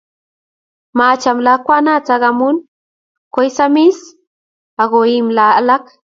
Maacham lakwanatak amun koisamisi akoimi alak.